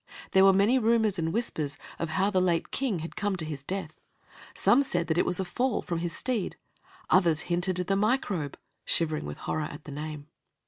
There were many rumors and whispers of how the late King had come to his death: some said that it was a fall from his steed; others hinted the Microbe, shivering with horror at the name.